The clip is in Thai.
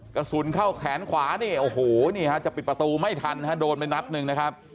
กระสุนเข้าแขนขวานี่โอ้โหนี่ฮะจะปิดประตูไม่ทันฮะโดนไปนัดหนึ่งนะครับ